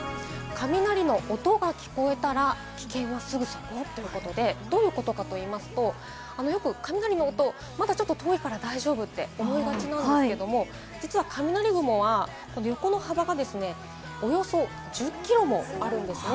雷の音が聞こえたら、危険はすぐそこということで、どういうことかといいますと、よく雷の音、まだちょっと遠いから大丈夫と思いがちなんですけれども、実は雷雲は横の幅がですね、およそ１０キロもあるんですね。